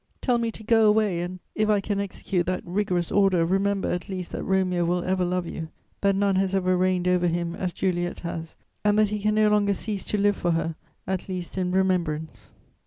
Tell me to go away and, if I can execute that rigorous order, remember at least that Romeo will ever love you; that none has ever reigned over him as Juliet has; and that he can no longer cease to live for her, at least in remembrance."